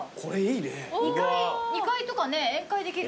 ２階とかね宴会できる。